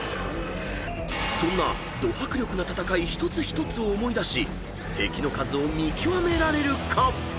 ［そんなど迫力な戦い一つ一つを思い出し敵の数を見極められるか］